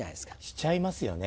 しちゃいますよね